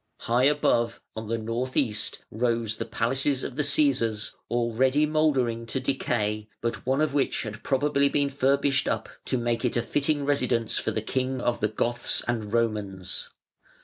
High above, on the north east, rose the palaces of the Cæsars already mouldering to decay, but one of which had probably been furbished up to make it a fitting residence for the king of the Goths and Romans.